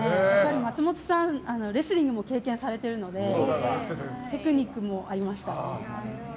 松本さん、レスリングも経験されてるのでテクニックもありましたね。